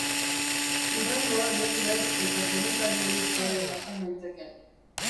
Hurrengoa neu naiz eta komentariorik gabe pasa naiteke.